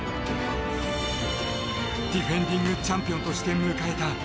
ディフェンディングチャンピオンとして迎えた